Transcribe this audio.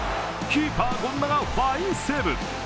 キーパー・権田がファインセーブ。